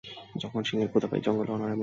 যখন সিংহের ক্ষুধা পায় জঙ্গলও অনাহারে মরবে।